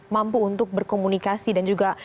mampu untuk berkomunikasi dan juga